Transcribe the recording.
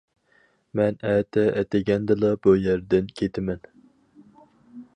مەن ئەتە ئەتىگەندىلا بۇ يەردىن كېتىمەن.